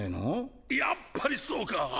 やっぱりそうか。